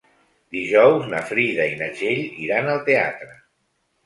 Dijous na Frida i na Txell iran al teatre.